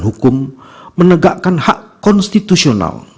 hukum menegakkan hak konstitusional